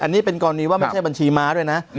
อันนี้เป็นกรณีว่าไม่ใช่บัญชีม้าด้วยนะ